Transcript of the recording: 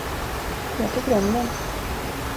Jag tycker om den.